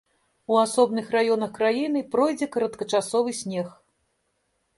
У асобных раёнах краіны пройдзе кароткачасовы снег.